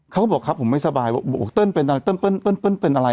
เขาก็บอกครับผมไม่สบายเติ้ลเป็นอะไร